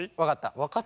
分かった。